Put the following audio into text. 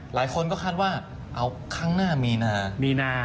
หลายคนก็คาดว่าเอาครั้งหน้ามีนามีนา